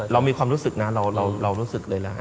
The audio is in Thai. เรามีความรู้สึกนะเรารู้สึกเลยนะ